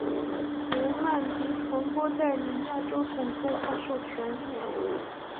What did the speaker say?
由曼迪传播代理亚洲总动画授权。